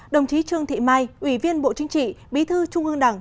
đồng chí trương thị mai ủy viên bộ chính trị bí thư trung ương đảng